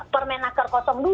permen akar dua